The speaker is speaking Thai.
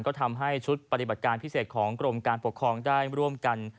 ก็ทำให้ชุดปฏิบัติการพิเศษของกรมการปกครองได้ร่วมกัน